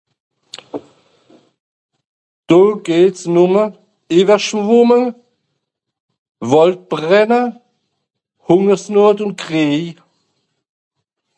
Do gebt's numme Ewerschwemmunge, Waldbrände, Hungersnot un Kriej